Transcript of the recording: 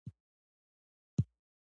آزادۍ د ژوندانه یې یو په یو له لاسه تللي